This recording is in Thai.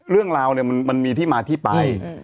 เรื่องราวเนี่ยมันมีที่มาที่ไป